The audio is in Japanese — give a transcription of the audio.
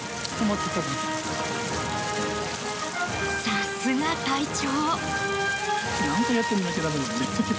さすが、隊長。